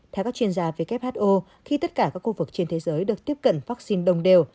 theo các chuyên gia who khi tất cả các khu vực trên thế giới được tiếp cận vaccine đồng đều